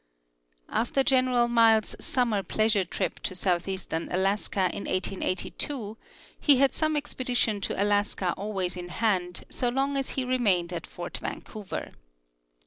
After General Miles' summer pleasure trip to southeastern Alaska in 1882, he had some expedition to Alaska always in hand so long as he remained at fort Vancouver.